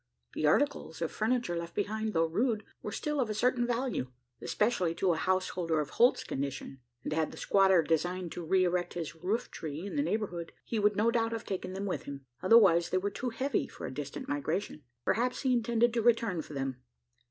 The articles of furniture left behind, though rude, were still of a certain value especially to a householder of Holt's condition; and had the squatter designed to re erect his roof tree in the neighbourhood, he would no doubt have taken them with him. Otherwise they were too heavy for a distant migration. Perhaps he intended to return for them?